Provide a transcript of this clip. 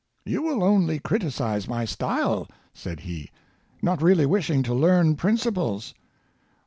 " You will only criticise my style," said he; " not really wishing to learn principles."